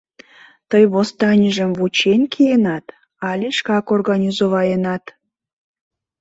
— Тый восстанийжым вучен киенат але шкак организоваенат?